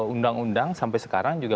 undang undang sampai sekarang juga